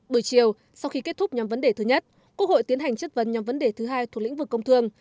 buổi chiều sau khi kết thúc nhóm vấn đề thứ nhất quốc hội tiến hành chất vấn nhóm vấn đề thứ hai thuộc lĩnh vực công thương